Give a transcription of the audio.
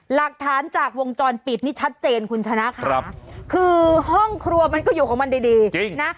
หลักฐานจากวงจรปิดนี่ชัดเจนคุณชนะครับคือห้องครัวมันก็อยู่กับมันดีดีจริงนะ